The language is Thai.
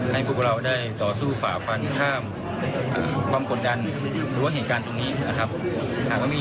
หาริยารังไงบ้างครับ